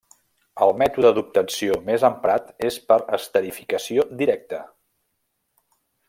El mètode d'obtenció més emprat és per esterificació directa.